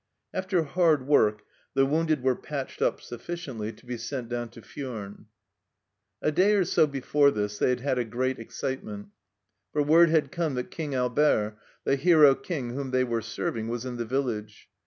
After hard work, the wounded were patched up sufficiently to be sent down to Furnes. A day or so before this they had had a great excitement, for word had come that King Albert, the hero King whom they were serving, was in the village.